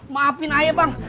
maafin ayah bang